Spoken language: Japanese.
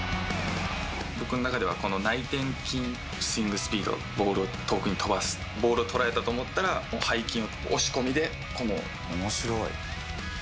僕の中ではこの内転筋で、スイングスピード、ボールを飛ばす、ボールを捉えたと思ったら、おもしろい。